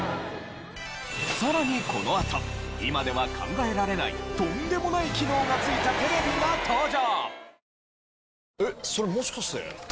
さらにこのあと今では考えられないとんでもない機能がついたテレビが登場！